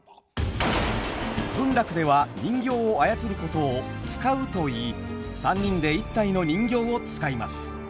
文楽では人形を操ることを「遣う」といい３人で１体の人形を遣います。